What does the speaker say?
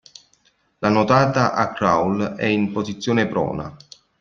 La nuotata a crawl è in posizione prona.